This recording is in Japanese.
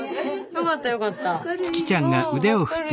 よかったよかった。